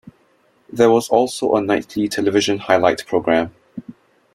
There was also a nightly television highlight programme.